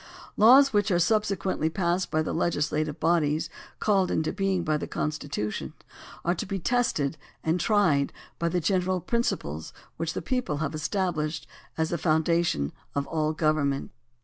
Laws which are subsequently passed by the legislative bodies called into being by the Constitution are to be tested and tried by the general principles which the people have established as the foundation of all government.